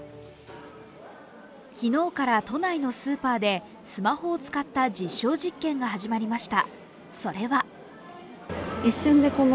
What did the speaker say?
昨日から都内のスーパーでスマホを使った実証実験が始まりました。